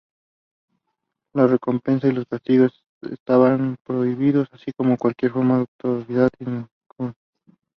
Las recompensas y los castigos estaban prohibidos, así como cualquier forma de autoridad incuestionable.